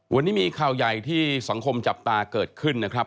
วันนี้มีข่าวใหญ่ที่สังคมจับตาเกิดขึ้นนะครับ